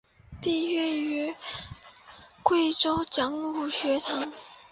毕业于贵州讲武学堂。